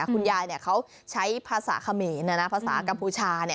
คุณยายเขาใช้ภาษาเขมรภาษากัมพูชา